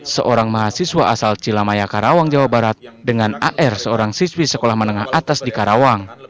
seorang mahasiswa asal cilamaya karawang jawa barat dengan ar seorang siswi sekolah menengah atas di karawang